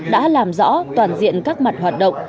đã làm rõ toàn diện các mặt hoạt động